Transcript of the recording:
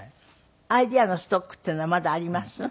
アイデアのストックっていうのはまだあります？